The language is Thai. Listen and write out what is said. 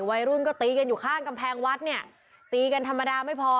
วัยรุ่นก็ตีกันอยู่ข้างกำแพงวัดเนี่ยตีกันธรรมดาไม่พอ